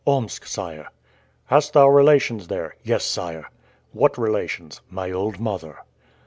"Omsk, sire." "Hast thou relations there?" "Yes sire." "What relations?" "My old mother."